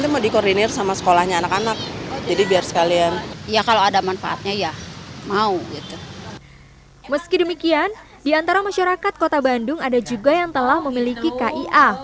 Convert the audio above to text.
meski demikian di antara masyarakat kota bandung ada juga yang telah memiliki kia